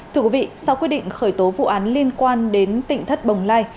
thưa quý vị sau quyết định khởi tố vụ án liên quan đến tỉnh thất bồng lai